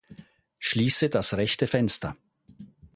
Schließe das rechte Fenster